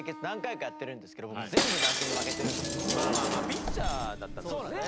ピッチャーだったからね。